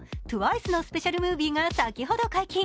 ＴＷＩＣＥのスペシャルムービーが先ほど解禁。